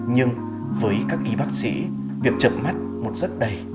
nhưng với các y bác sĩ việc chậm mắt một giấc đầy